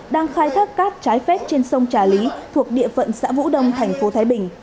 đang khai thác cát trái phép trên sông trà lý thuộc địa phận xã vũ đông thành phố thái bình